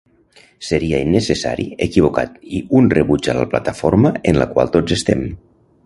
Seria innecessari, equivocat i un rebuig a la plataforma en la qual tots estem.